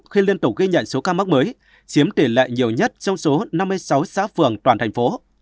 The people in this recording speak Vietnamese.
khi liên tục ghi nhận số ca mắc mới chiếm tỷ lệ nhiều nhất trong số năm mươi sáu xã phường toàn thành phố